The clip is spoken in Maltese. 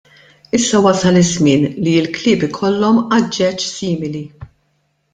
Issa wasal iż-żmien li l-klieb ikollhom aġġeġġ simili.